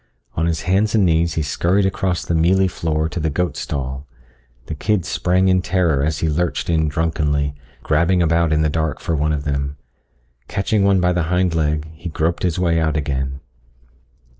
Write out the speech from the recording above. On his hands and knees he scurried across the mealy floor to the goat stall. The kids sprang in terror as he lurched in drunkenly, grabbing about in the dark for one of them. Catching one by the hind leg, he groped his way out again.